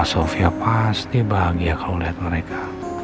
kak sofia pasti bahagia kalau melihat mereka